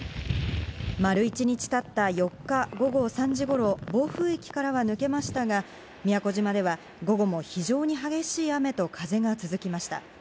丸１日たった４日午後３時ごろ、暴風域からは抜けましたが、宮古島では、午後も非常に激しい雨と風が続きました。